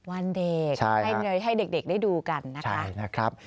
วันเด็กให้เด็กได้ดูกันนะคะ